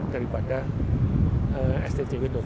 daripada stcw dua ribu sepuluh